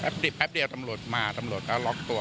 ปิดแป๊บเดียวตำรวจมาตำรวจก็ล็อกตัว